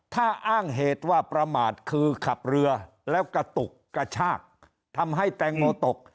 ถ้าอ้างเหตุว่าประมาทคือขับเรือแล้วกระตุกกระชากทำให้แตงโมตก